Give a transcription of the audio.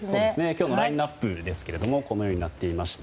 今日のラインアップですがこのようになっています。